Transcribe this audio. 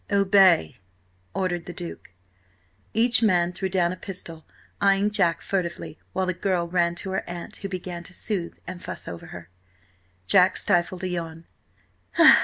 "Obey," ordered the Duke. Each man threw down a pistol, eyeing Jack furtively, while the girl ran to her aunt, who began to soothe and fuss over her. Jack stifled a yawn.